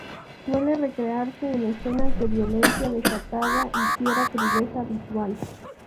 Suele recrearse en escenas de violencia desatada y fiera crudeza visual.